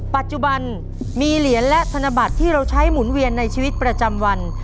ปัจจุบันมีเหรียญและธนบัตรที่เราใช้หมุนเวียนในชีวิตประจำวัน